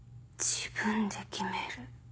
自分で決める。